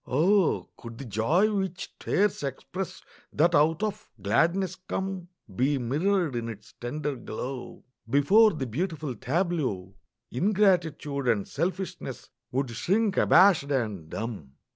Oh, could the joy which tears express That out of gladness come Be mirrored in its tender glow, Before the beautiful tableau Ingratitude and selfishness Would shrink abashed and dumb!